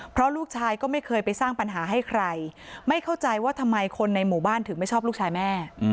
เพราะลูกชายก็ไม่เคยไปสร้างปัญหาให้ใครไม่เข้าใจว่าทำไมคนในหมู่บ้านถึงไม่ชอบลูกชายแม่